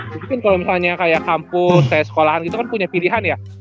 mungkin kalau misalnya kayak kampus kayak sekolahan gitu kan punya pilihan ya